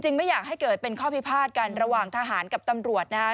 ไม่อยากให้เกิดเป็นข้อพิพาทกันระหว่างทหารกับตำรวจนะฮะ